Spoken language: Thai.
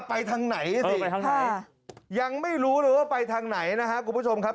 ไปทางไหนสิยังไม่รู้เลยว่าไปทางไหนนะครับคุณผู้ชมครับ